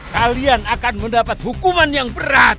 kalian akan mendapat hukuman yang berat